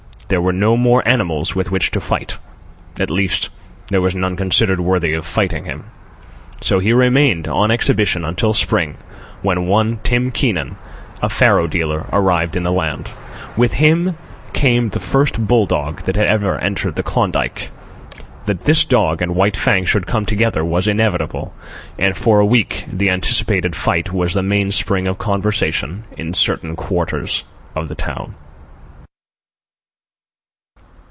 There were no more animals with which to fight—at least, there was none considered worthy of fighting with him. So he remained on exhibition until spring, when one Tim Keenan, a faro dealer, arrived in the land. With him came the first bull dog that had ever entered the Klondike. That this dog and White Fang should come together was inevitable, and for a week the anticipated fight was the mainspring of conversation in certain quarters of the town.